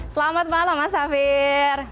selamat malam mas safir